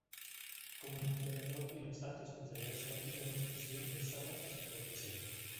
Como el emperador y los altos funcionarios cortesanos poseían los sátrapas su propio sello.